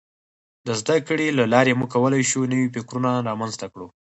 د زدهکړې له لارې موږ کولای شو نوي فکرونه رامنځته کړو.